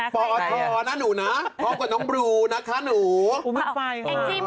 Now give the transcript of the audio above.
พอทอนะหนูน่ะพอกับน้องบรูนะคะหนูกูไม่ไปค่ะไม่ได้ใส่ชุด